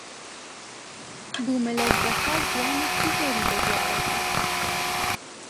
بوومەلەرزەکە زیانێکی زۆری بەدواوە بوو.